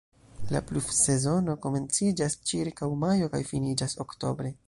La pluvsezono komenciĝas ĉirkaŭ majo kaj finiĝas oktobre.